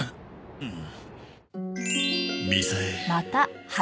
うん。